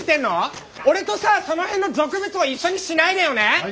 俺とさあその辺の俗物を一緒にしないでよね！